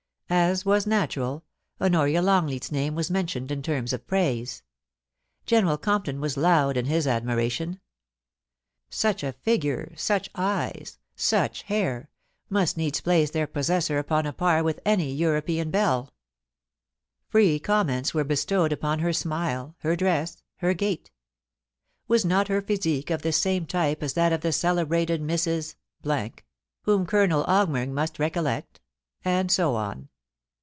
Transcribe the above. As was natural, Honoria Ix>ngleat's name was mentioned in terms of praise. General Compton was loud in his admiration. Such a figure, such eyes, such hair, must needs place their possessor upon a par with any European belle. Free commeius were bestowed 370 POLICY AND PASSION. upon her smile, her dress, her gait Was not her phyaque of the same type as that of the celebrated Mrs. , whom Colonel Augmering must recollect ? and so on.